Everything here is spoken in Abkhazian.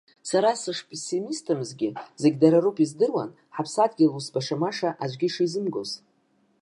Сара сышпессимистызгьы зегь дара роуп издыруан, ҳаԥсадгьыл ус баша-маша аӡәгьы ишизымгоз.